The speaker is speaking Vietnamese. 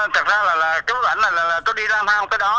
thực ra là tôi đi làm thang tới đó